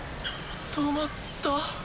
止まった？